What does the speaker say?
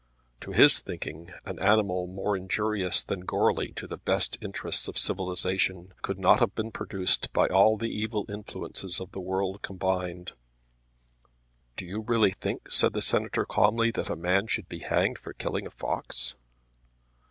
To his thinking an animal more injurious than Goarly to the best interests of civilisation could not have been produced by all the evil influences of the world combined. "Do you really think," said the Senator calmly, "that a man should be hanged for killing a fox?"